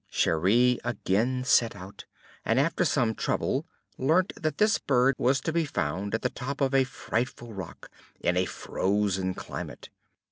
Cheri again set out, and after some trouble learnt that this bird was to be found on the top of a frightful rock, in a frozen climate.